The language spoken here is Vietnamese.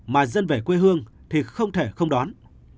mà dân về quê hương thì không thể không đón